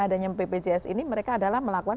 adanya bpjs ini mereka adalah melakukan